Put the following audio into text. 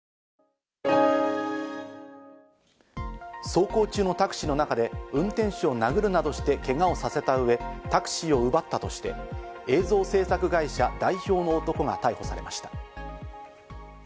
走行中のタクシーの中で、運転手を殴るなどしてけがをさせた上、タクシーを奪ったとして、映像制作会社代表の男が逮捕されました。